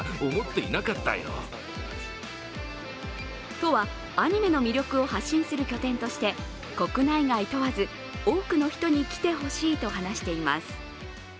都はアニメの魅力を発信する拠点として国内外問わず多くの人に来てほしいと話しています。